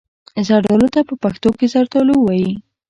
زردالو ته په پښتو کې زردالو وايي.